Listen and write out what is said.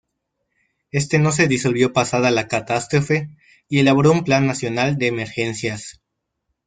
Este no se disolvió pasada la catástrofe y elaboró un Plan Nacional de Emergencias.